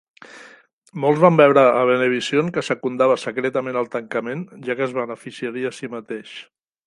Molts van veure a Venevision que secundava secretament el tancament, ja que es beneficiaria a si mateix.